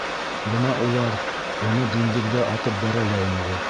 Бына улар уны диңгеҙгә атып бәрә лә инде.